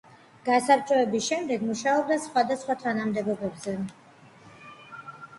გასაბჭოების შემდგომ მუშაობდა სხვადასხვა თანამდებობებზე.